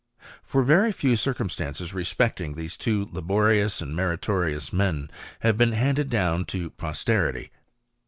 For very few circum stances respecting these two laborious and meritorious men have been handed down to posterity.